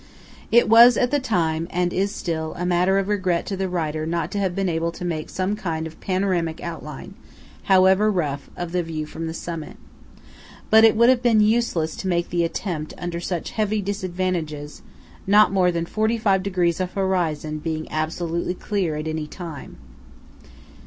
It was at the time, and is still, a matter of regret to the writer not to have been able to make some kind of panoramic outline, however rough, of the view from the summit. But it would have been useless to make the attempt under such heavy disadvantages, not more than forty five degrees of horizon being absolutely clear at any time.